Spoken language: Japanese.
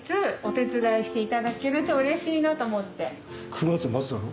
９月末だろ？